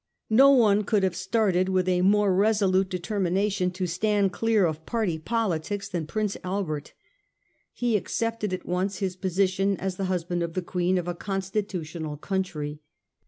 No one could have started with a more resolute determina tion to stand clear of party politics than Prince Albert. He accepted at once his position as the husband of the Queen of a constitutional country.